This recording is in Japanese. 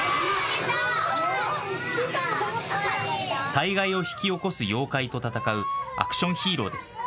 災害を引き起こす妖怪と戦うアクションヒーローです。